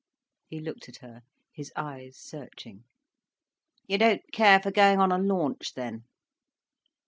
He looked at her, his eyes searching. "You don't care for going on a launch, then?"